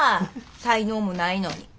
才能もないのに。